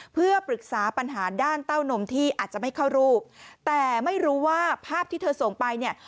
เพื่อปรึกษาปัญหาด้านเต้านมที่อาจจะไม่เข้ารูปแต่ไม่รู้ว่าภาพที่เธอส่งไปเนี่ย